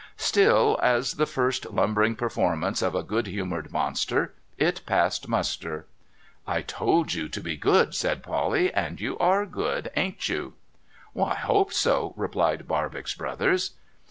Still, as the first lumbering performance of a good humoured monster, it passed muster. ' 1 told you to be good,' said Polly, ' and you are good, ain't you?' A SUCCESSFUL BUILDER 44, * I hope so,' replied Barbox Brothers.